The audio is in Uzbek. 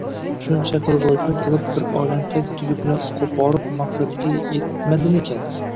Shuncha qilg`iliqni qilib, bir oilani tag-tugi bilan qo`porib, maqsadiga etmadimikin